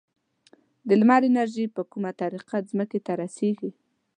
د لمر انرژي په کومه طریقه ځمکې ته رسیږي؟